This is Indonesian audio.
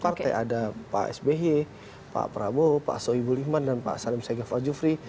ada pak sby pak prabowo pak soeibul iman dan pak salim segev azufri